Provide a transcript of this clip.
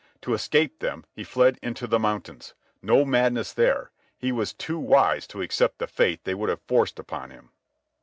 To escape them he fled into the mountains. No madness there. He was too wise to accept the fate they would have forced upon him."